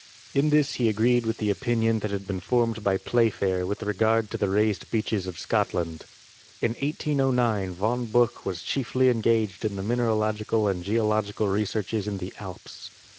In this he agreed with the opinion that had been formed by Playfair with regard to the raised beaches of Scotland. In 1809 Von Buch was chiefly engaged in mineralogical and geological researches in the Alps.